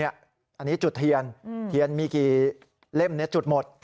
อันนี้จุดเทียนเทียนมีกี่เล่มจุดหมด